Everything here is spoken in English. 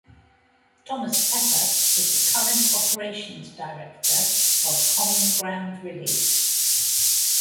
Thomas Pepper is the current operations director of Common Ground Relief.